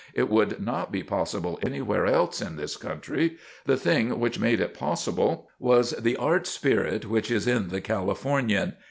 It would not be possible anywhere else in this country; the thing which made it possible was the art spirit which is in the Californian.